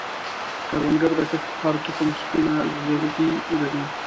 کروندګر د کښت هره تخم سپینه زړګی ګڼي